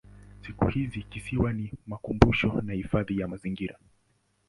Siku hizi kisiwa ni makumbusho na hifadhi ya mazingira.